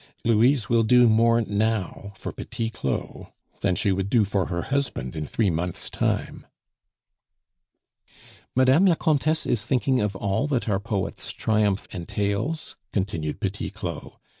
Louise will do more now for Petit Claud than she would do for her husband in three months' time." "Madame la Comtesse is thinking of all that our poet's triumph entails?" continued Petit Claud.